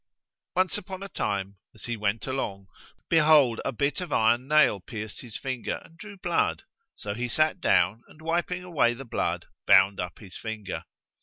Once upon a time as he went along, behold, a bit of iron nail pierced his finger and drew blood; so he sat down and wiping away the blood, bound up his finger.